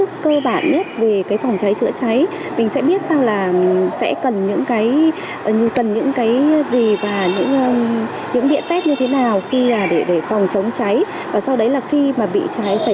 lực lượng phòng cháy chữa cháy tại chỗ của chúng tôi thì bao gồm lực lượng phòng cháy chữa cháy cơ sở